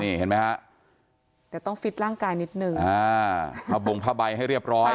นี่เห็นไหมฮะเดี๋ยวต้องฟิตร่างกายนิดหนึ่งอ่าผ้าบงผ้าใบให้เรียบร้อย